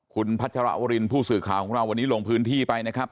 คุณพัชรวรินผู้สื่อข่าวของเราวันนี้ลงพื้นที่ไปนะครับ